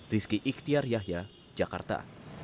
rizky iktiar yahya jakarta